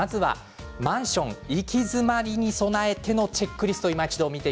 マンション行き詰まりに備えてのチェックリストです。